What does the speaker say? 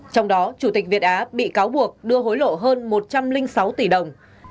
trong đó chủ tịch việt á bị cáo buộc đưa hối lộ hơn một trăm linh sáu tỷ đồng